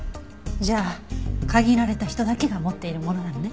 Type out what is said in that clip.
じゃあ限られた人だけが持っているものなのね。